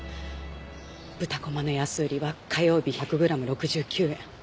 豚こまの安売りは火曜日１００グラム６９円。